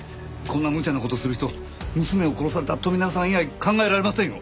こんなむちゃな事する人娘を殺された富永さん以外考えられませんよ。